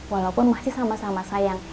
walaupun masih sama sama sayang